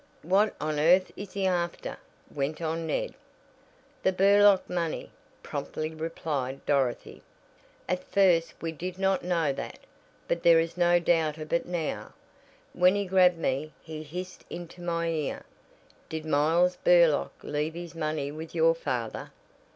"What on earth is he after?" went on Ned. "The Burlock money," promptly replied Dorothy. "At first we did not know that, but there is no doubt of it now. When he grabbed me he hissed into my ear, 'Did Miles Burlock leave his money with your father?'